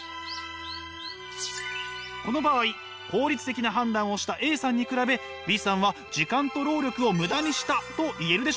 この場合効率的な判断をしたＡさんに比べＢさんは時間と労力をムダにしたと言えるでしょうか？